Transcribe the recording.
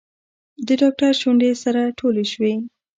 د ډاکتر شونډې سره ټولې شوې.